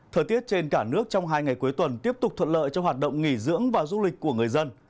thời tiết trên cả nước trong hai ngày cuối tuần tiếp tục thuận lợi cho hoạt động nghỉ dưỡng và du lịch của người dân